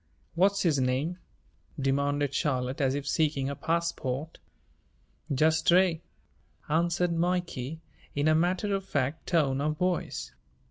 "What's his name?" demanded Charlotte as if seeking a passport. "Just Stray," answered Mikey in a matter of fact tone of voice.